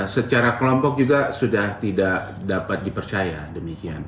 secara kelompok juga sudah tidak dapat dipercaya demikian